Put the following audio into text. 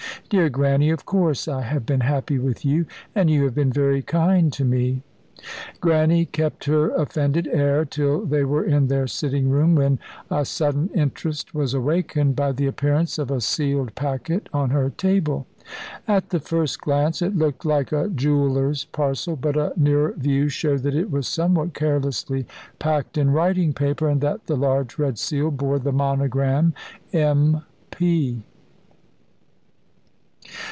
"Dear Grannie, of course I have been happy with you, and you have been very kind to me." Grannie kept her offended air till they were in their sitting room, when a sudden interest was awakened by the appearance of a sealed packet on her table. At the first glance it looked like a jeweller's parcel, but a nearer view showed that it was somewhat carelessly packed in writing paper, and that the large red seal bore the monogram "M. P."